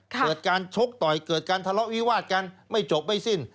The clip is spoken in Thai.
เกิดการชกต่อยเกิดการทะเลาะวิวาดกันไม่จบไม่สิ้น